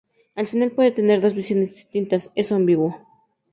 El final puede tener dos visiones distintas, es ambiguo.